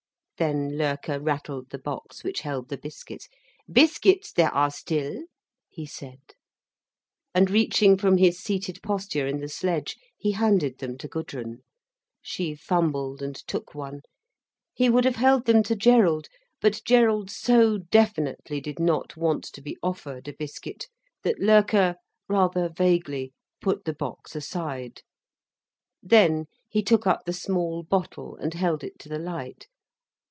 Then Loerke rattled the box which held the biscuits. "Biscuits there are still," he said. And reaching from his seated posture in the sledge, he handed them to Gudrun. She fumbled, and took one. He would have held them to Gerald, but Gerald so definitely did not want to be offered a biscuit, that Loerke, rather vaguely, put the box aside. Then he took up the small bottle, and held it to the light.